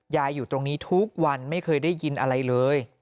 อยู่ตรงนี้ทุกวันไม่เคยได้ยินอะไรเลย